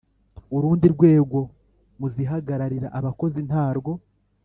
Urundi rwego mu zihagararira abakozi ntarwo.